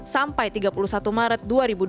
sampai tiga puluh satu maret dua ribu dua puluh